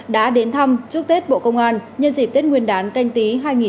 đã đến thăm chúc tết bộ công an nhân dịp tết nguyên đán canh tí hai nghìn hai mươi